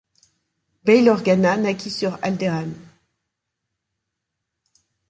Bail Organa naquit sur Alderaan.